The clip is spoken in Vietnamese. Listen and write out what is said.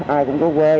ai cũng có quê